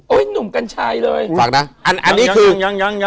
โอ้ยหนุ่มกัญชัยเลยฟังนะอันนี้คือยัง